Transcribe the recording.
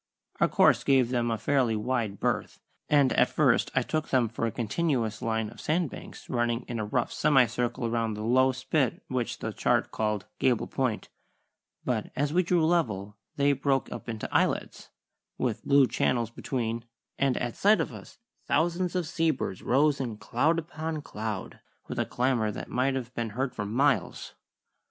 Our course gave them a fairly wide berth; and at first I took them for a continuous line of sandbanks running in a rough semicircle around the low spit which the chart called Gable Point; but as we drew level they broke up into islets, with blue channels between, and at sight of us thousands of sea birds rose in cloud upon cloud, with a clamour that might have been heard for miles.